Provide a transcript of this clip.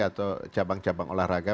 atau cabang cabang olahraga